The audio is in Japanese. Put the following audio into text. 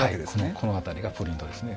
この辺りがプリントですね。